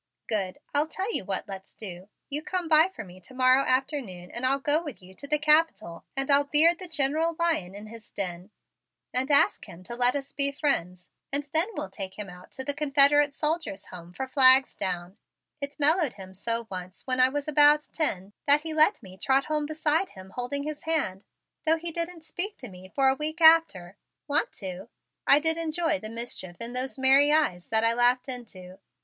"Good! I'll tell you what let's do. You come by for me to morrow afternoon and I'll go with you to the Capitol and I'll beard the General Lion in his den and ask him to let us be friends, and then we'll take him out to the Confederate Soldiers' Home for 'flags down' it mellowed him so once, when I was about ten, that he let me trot home beside him holding his hand, though he didn't speak to me for a week after. Want to?" I did enjoy the mischief in those merry eyes that I laughed into.